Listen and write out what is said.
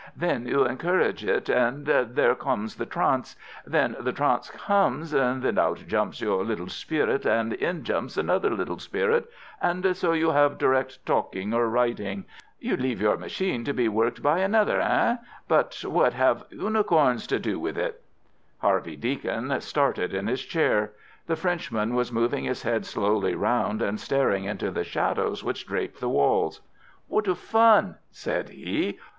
Then you encourage it, and there comes the trance. When the trance comes, then out jumps your little spirit and in jumps another little spirit, and so you have direct talking or writing. You leave your machine to be worked by another. Hein? But what have unicorns to do with it?" Harvey Deacon started in his chair. The Frenchman was moving his head slowly round and staring into the shadows which draped the walls. "What a fun!" said he.